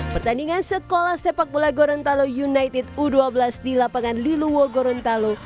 pertandingan sekolah sepak bola gorontalo united u dua belas di lapangan liluwo gorontalo